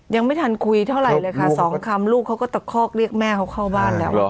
ยังไม่ทันคุยเท่าไหร่เลยค่ะสองคำลูกเขาก็ตะคอกเรียกแม่เขาเข้าบ้านแล้ว